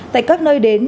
tại các nơi đến